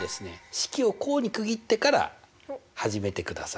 式を項に区切ってから始めてください。